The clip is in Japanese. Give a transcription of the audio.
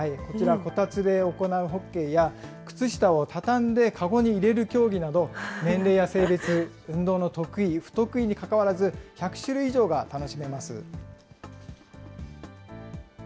こちら、こたつで行うホッケーや、靴下を畳んで籠に入れる競技など、年齢や性別、運動の得意、不得意にかかわらず、１００種類以上が楽しめます。